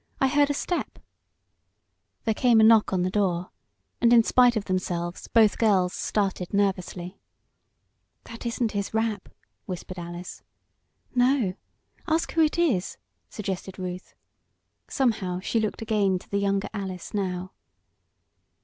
I heard a step " There came a knock on the door, and in spite of themselves both girls started nervously. "That isn't his rap!" whispered Alice. "No. Ask who it is," suggested Ruth. Somehow, she looked again to the younger Alice now.